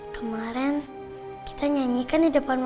kemaren kita nyanyikan di depan mu